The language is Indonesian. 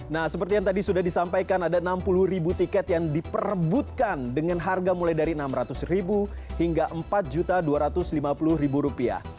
nah seperti yang tadi sudah disampaikan ada enam puluh tiket yang diperebutkan dengan harga mulai dari rp enam ratus hingga empat dua ratus lima puluh rupiah